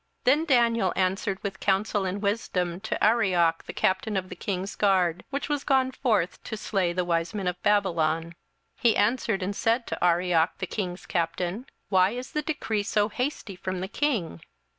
27:002:014 Then Daniel answered with counsel and wisdom to Arioch the captain of the king's guard, which was gone forth to slay the wise men of Babylon: 27:002:015 He answered and said to Arioch the king's captain, Why is the decree so hasty from the king?